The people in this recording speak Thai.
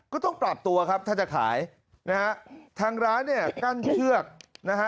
ก็ต้องปรับตัวครับถ้าจะขายนะฮะทางร้านเนี่ยกั้นเชือกนะฮะ